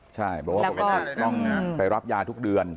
ใช่บอกว่าปกติต้องไปรับยาทุกเดือน